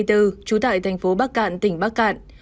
trú tại tp bắc cạn tỉnh bắc cạn